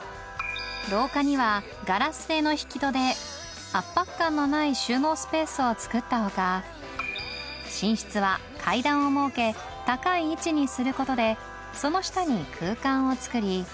廊下にはガラス製の引き戸で圧迫感のない収納スペースを作った他寝室は階段を設け高い位置にすることでその下に空間を作り